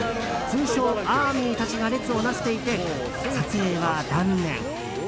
通称ＡＲＭＹたちが列をなしていて撮影は断念。